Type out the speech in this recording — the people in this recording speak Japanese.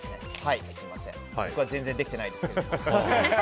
僕は全然できてないですけど。